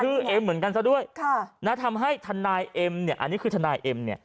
เอ็มเหมือนกันซะด้วยค่ะนะทำให้ทนายเอ็มเนี่ยอันนี้คือทนายเอ็มเนี่ย